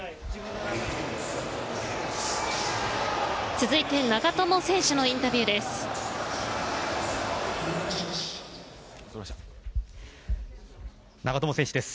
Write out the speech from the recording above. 続いて長友選手のインタビューです。